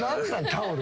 タオル。